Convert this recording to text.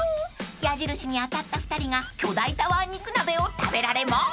［矢印に当たった２人が巨大タワー肉鍋を食べられます］